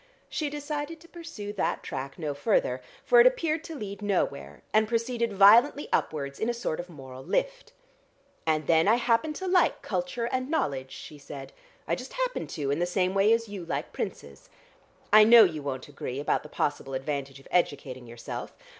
She decided to pursue that track no further, for it appeared to lead nowhere, and proceeded violently upwards in a sort of moral lift. "And then I happen to like culture and knowledge," she said. "I just happen to, in the same way as you like princes. I know you won't agree about the possible advantage of educating yourself.